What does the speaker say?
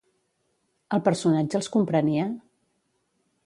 El personatge els comprenia?